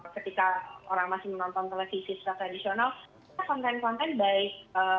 ketika orang masih menonton televisi secara tradisional kita konten konten baik